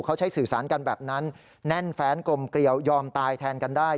เขาใช้สื่อสารกันแบบนั้นแน่นแฟนกลมเกลียวยอมตายแทนกันได้